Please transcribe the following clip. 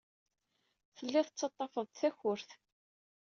Telliḍ tettaḍḍafeḍ-d takurt.